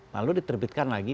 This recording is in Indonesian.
lalu diterbitkan lagi